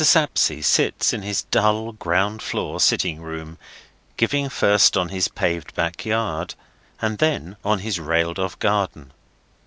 Sapsea sits in his dull ground floor sitting room, giving first on his paved back yard; and then on his railed off garden.